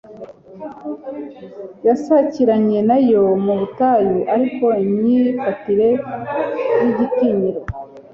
yasakiranye nayo mu butayu, ariko imyifatire y'igitinyiro